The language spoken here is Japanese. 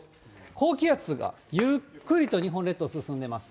高気圧がゆっくりと日本列島進んでます。